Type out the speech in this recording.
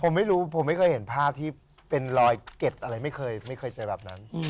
ผมไม่รู้ผมไม่เคยเห็นภาพที่เป็นรอยเก็ดอะไรไม่เคยเจอแบบนั้น